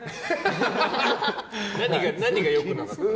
何が良くなかった？